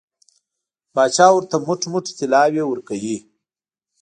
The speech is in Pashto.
پاچا ورته موټ موټ طلاوې ورکوي.